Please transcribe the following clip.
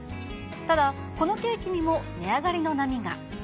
ただ、このケーキにも値上がりの波が。